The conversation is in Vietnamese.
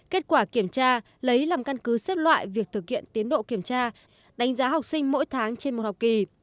kết quả kiểm tra lấy làm căn cứ xếp loại việc thực hiện tiến độ kiểm tra đánh giá học sinh mỗi tháng trên một học kỳ